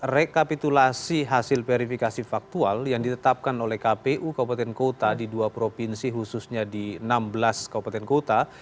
rekapitulasi hasil verifikasi faktual yang ditetapkan oleh kpu kabupaten kota di dua provinsi khususnya di enam belas kabupaten kota